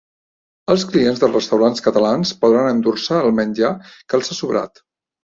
Els clients dels restaurants catalans podran endur-se el menjar que els ha sobrat